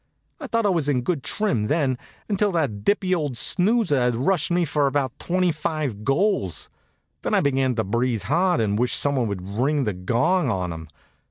I thought I was in good trim then, until that dippy old snoozer had rushed me for about twenty five goals. Then I began to breathe hard and wish someone would ring the gong on him.